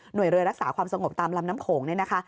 โดยเรือรักษาความสงบตามลำน้ำโขงเนี่ยนะคะ